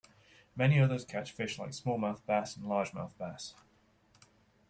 Many others catch fish like smallmouth bass and largemouth bass.